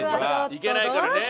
行けないからね。